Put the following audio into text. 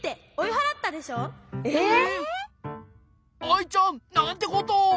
アイちゃんなんてことを！